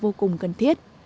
vô cùng cần thiết